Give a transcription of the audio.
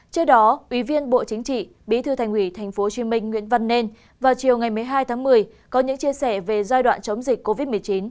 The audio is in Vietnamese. trước đó ủy viên bộ chính trị bí thư thành ủy tp hcm nguyễn văn nên vào chiều ngày một mươi hai tháng một mươi có những chia sẻ về giai đoạn chống dịch covid một mươi chín